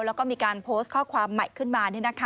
แล้วก็มีการโพสต์ข้อความใหม่ขึ้นมา